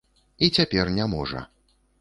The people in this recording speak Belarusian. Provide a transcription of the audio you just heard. І цяпер не можа.